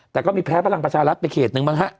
แต่ก็มีแพ้พลังประชารัฐไปเขตหนึ่งบ้างฮะ